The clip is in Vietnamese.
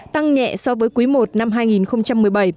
tăng nhẹ so với quý i năm hai nghìn một mươi bảy